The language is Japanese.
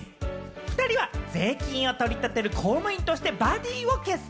２人は税金を取り立てる公務員としてバディを結成！